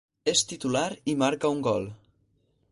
És titular i marca un gol.